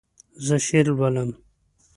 زه شعر لولم.